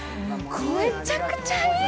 めっちゃくちゃいい。